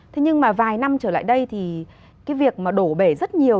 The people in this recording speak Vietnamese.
thế nhưng mà vài năm trở lại đây thì cái việc mà đổ bể rất nhiều